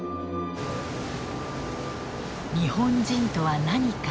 「日本人とは何か」。